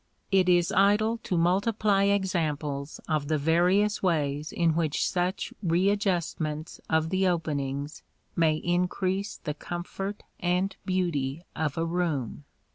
It is idle to multiply examples of the various ways in which such readjustments of the openings may increase the comfort and beauty of a room.